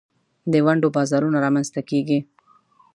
د ونډو بازارونه رامینځ ته کیږي.